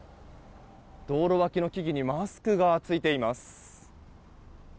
道路脇の木々にマスクがついています。